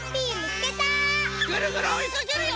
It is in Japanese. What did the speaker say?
ぐるぐるおいかけるよ！